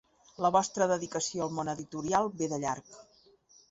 La vostra dedicació al món editorial ve de llarg.